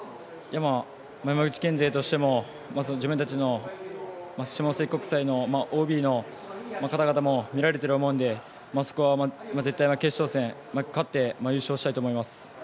山口県勢としても下関国際のＯＢの方々も見られていると思うので絶対、決勝戦勝って、優勝したいと思います。